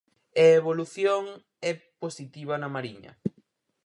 E evolución é positiva na Mariña.